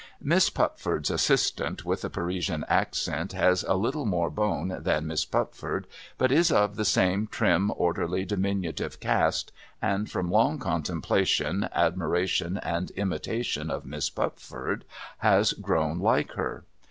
Miss Pupford's assistant with the Parisian accent has a little more bone than Miss Pupford, but is of the same trim, orderly, diminutive cast, and, from long contemplation, admiration, and imitation of Miss Pupford, has grown like her.